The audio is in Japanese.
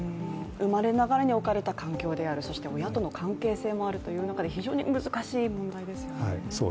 生まれながらに置かれた環境である、そして親との関係性もあるという中で非常に難しい問題ですよね。